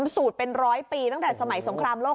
สูตรเป็นร้อยปีตั้งแต่สมัยสงครามโลก